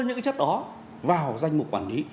những chất đó vào danh mục quản lý